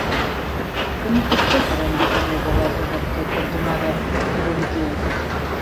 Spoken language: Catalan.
Com ho puc fer per anar al carrer Valeta d'Arquer cantonada Bruniquer?